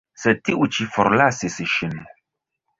Sed tiu ĉi forlasis ŝin.